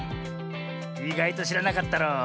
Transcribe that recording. いがいとしらなかったろう？